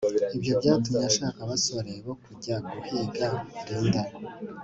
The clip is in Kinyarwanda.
ibyo byatumye ashaka abasore bo kujya guhiga Linda